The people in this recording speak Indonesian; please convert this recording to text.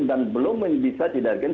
dan belum bisa didarikan